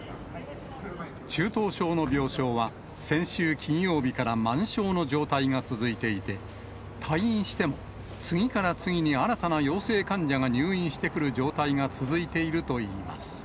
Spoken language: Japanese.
中等症の病床は、先週金曜日から満床の状態が続いていて、退院しても、次から次に新たな陽性患者が入院してくる状態が続いているといいます。